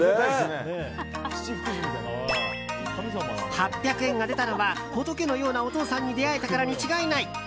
８００円が出たのは仏のようなお父さんに出会えたからに違いない。